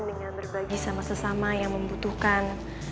dengan berbagi sama sesama yang membutuhkan